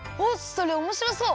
それおもしろそう！